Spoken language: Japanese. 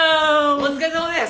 お疲れさまです！